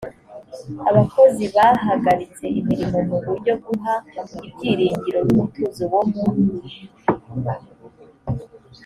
abakozi bahagaritse imirimo mu buryo guha ibyiringiro n umutuzo wo mu